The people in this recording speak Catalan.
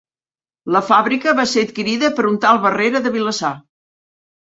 La fàbrica va ser adquirida per un tal Barrera de Vilassar.